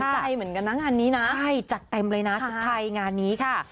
ใจเหมือนกันนะงานนี้นะใช่จัดเต็มเลยนะชุดไทยงานนี้ค่ะ